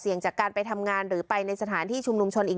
จากการไปทำงานหรือไปในสถานที่ชุมนุมชนอีก